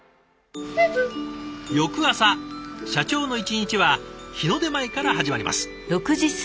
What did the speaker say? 翌朝社長の一日は日の出前から始まります。